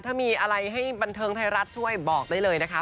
ถ้ามีอะไรให้บันเทิงไทยรัฐช่วยบอกได้เลยนะคะ